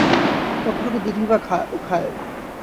কতটুকু দুধই বা ও খায়!